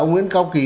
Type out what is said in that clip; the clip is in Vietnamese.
ông nguyễn cao kỳ